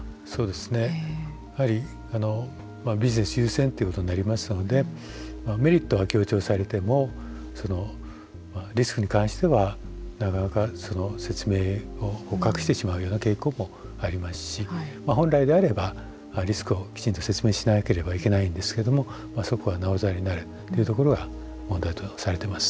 やはりビジネス優先ということになりますのでメリットが強調されてもリスクに関しては、説明を隠してしまうような傾向もありますし本来であればリスクをきちんと説明しなければいけないんですけどもそこはなおざりになるというところは問題とされています。